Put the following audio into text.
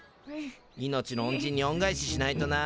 命の恩人に恩返ししないとな。